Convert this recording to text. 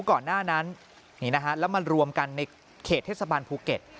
ก่อนหน้านั้นนี่นะฮะแล้วมารวมกันในเขตเทศบาลภูเก็ต